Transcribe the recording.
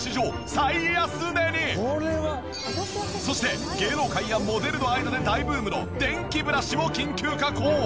そして芸能界やモデルの間で大ブームの電気ブラシを緊急確保！